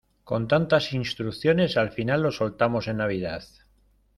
con tantas instrucciones, al final lo soltamos en Navidad.